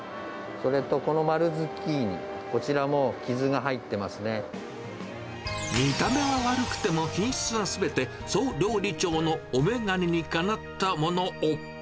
それとこの丸ズッキーニ、こちら見た目は悪くても、品質はすべて総料理長のおめがねにかなったものを。